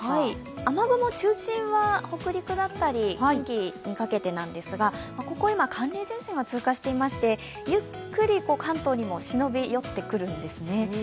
雨雲、中心は北陸だったり近畿にかけてなんですがここ、今、寒冷前線が通過していましてゆっくり関東にも忍び寄ってくるんですね。